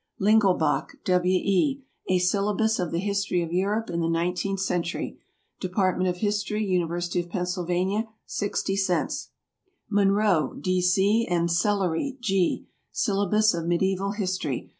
LINGELBACH, W. E. "A Syllabus of the History of Europe in the Nineteenth Century." Department of History, University of Pennsylvania, 60 cents. MUNRO, D. C., and SELLERY, G. "Syllabus of Medieval History."